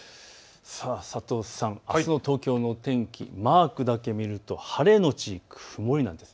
佐藤さん、あすの東京の天気、マークだけ見ると晴れ後曇りなんです。